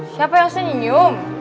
siapa yang senyum